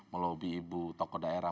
melobi ibu toko daerah